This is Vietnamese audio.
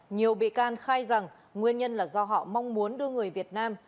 nhiều bị can khai rằng nguyên nhân là do họ mong muốn đưa người việt nam